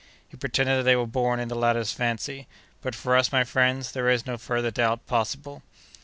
He pretended that they were born in the latter's fancy; but for us, my friends, there is no further doubt possible."